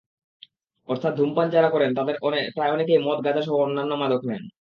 অর্থাৎ ধূমপান যাঁরা করেন, তাঁদের প্রায় অনেকেই মদ, গাঁজাসহ অন্যান্য মাদক নেন।